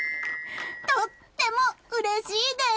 とってもうれしいです！